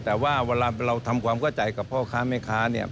แต่ว่าเวลาเราทำความเข้าใจกับพ่อค้าแม่ค้าเนี่ย